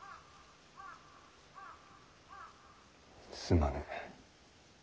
すまぬ。